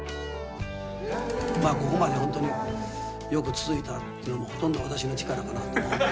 まあここまでホントによく続いたっていうのもほとんど私の力かな。